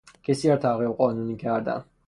کسی را تعقیب قانونی کردن